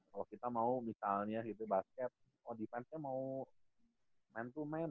kalau kita mau misalnya gitu basket oh defense nya mau main to main